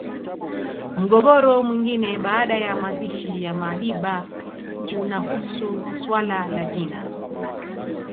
Mgogoro mwingine baada ya mazishi ya Madiba unahusu suala la jina